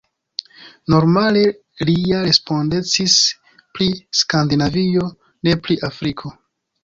Normale li ja respondecis pri Skandinavio, ne pri Afriko.